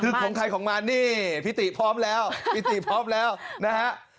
คือของใครของมันนี่พี่ติพร้อมแล้วพี่ติพร้อมแล้วนะฮะ